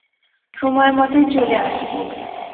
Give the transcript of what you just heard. সময়মতোই চলে আসব।